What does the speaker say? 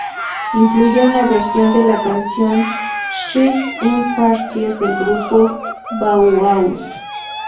Incluye una versión de la canción "She's In Parties" del grupo Bauhaus.